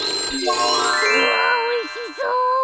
うわーおいしそう。